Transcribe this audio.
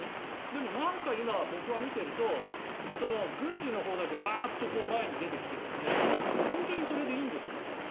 でも、なんか今、僕が見ていると軍事のほうだけワーッと前に出てきて本当にそれでいいんですかと。